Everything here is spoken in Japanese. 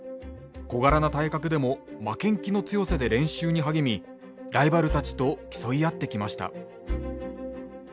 小柄な体格でも負けん気の強さで練習に励みライバルたちと競い合ってきました。